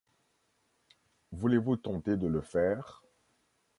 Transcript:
Voulez-vous tenter de le faire ?